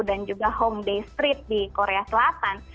dan juga hongdae street di korea selatan